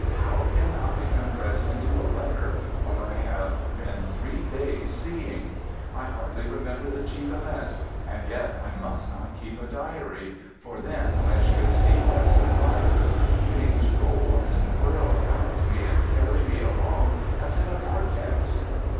How can I compress into a letter what I have been three days seeing? I hardly remember the chief events and yet I must not keep a diary, for then I should see less of life.... Things roll and whirl round me and carry me along as in a vortex".